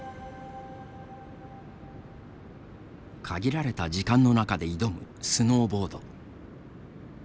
限られた時間の中で挑むスノーボード。